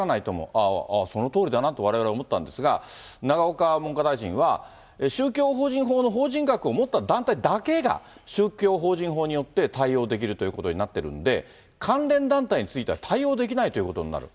あっ、そのとおりだなとわれわれ思ったんですが、永岡文科大臣は、宗教法人法の法人格を持った団体だけが、宗教法人法によって、対応できるということになってるんで、関連団体については対応できないということになる。